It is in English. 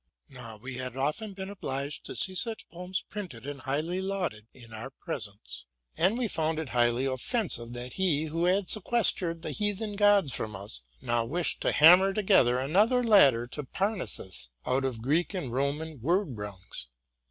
Now, we had often been obliged to see such poems printed and highly lauded in our presence ; and we found it highly offensive, that he who had sequestered the heathen gods from us, now wished to hammer together another ladder to Parnassus out of Greek and Roman word rungs.